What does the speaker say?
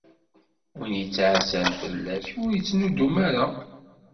Win yettɛassan fell-ak, ur ittnudum ara.